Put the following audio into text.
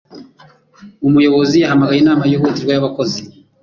Umuyobozi yahamagaye inama yihutirwa y abakozi.